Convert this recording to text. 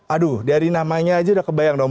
aduh dari namanya aja udah kebayang dong